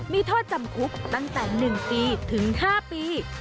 มีโทษจำคุกตั้งแต่๑ปีถึง๕ปี